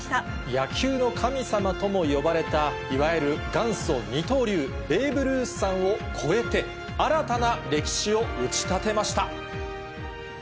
野球の神様とも呼ばれた、いわゆる元祖二刀流、ベーブ・ルースさんを超えて、新たな歴史を打ち立てました。